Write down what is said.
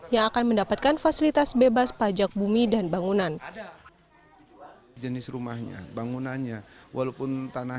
yang akan mendapatkan fasilitas bebas pajak bumi dan bangunan